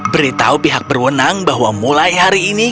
beritahu pihak berwenang bahwa mulai hari ini